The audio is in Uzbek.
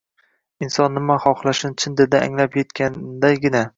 Inson nima xohlashini chin dilidan anglab yetganidagina